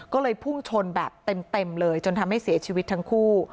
ก็เลยพุ่งชนแบบเต็มเลยจนทำให้เสียชีวิตทั้งคู่